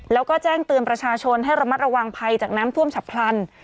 แล้วก็แจ้งเตือนประชาชนให้ระมัดระวังภัยจากน้ำท่วมฉับพลัน